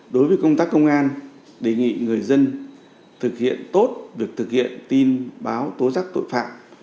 đối với công tác công an đề nghị người dân thực hiện tốt việc thực hiện tin báo tố rắc tội phạm